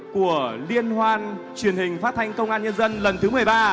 của liên hoan truyền hình phát thanh công an nhân dân lần thứ một mươi ba